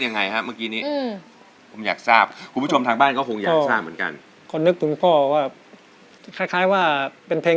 ถ้าผักเมื่อนนะครับผมครับมีแต่หลวงพ่อเต็มคอเลยครับเออพี่ต้องค่ะครับพี่ต้อง